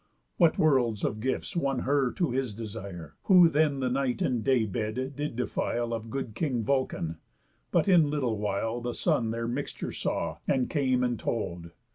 What worlds of gifts won her to his desire, Who then the night and day bed did defile Of good king Vulcan. But in little while The Sun their mixture saw, and came and told.